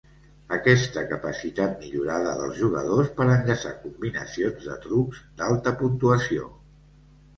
Aquesta capacitat millorada dels jugadors per enllaçar combinacions de trucs d'alta puntuació.